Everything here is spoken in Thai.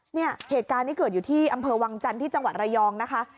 เนี่ยเหตุการณ์นี้เกิดอยู่ที่อำเภอวังจันทร์ที่จังหวัดระยองนะคะ